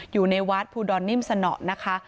อยู่ในวัดพูดอนนิ่มสนะ